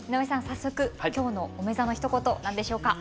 早速今日のおめざのひと言何でしょうか？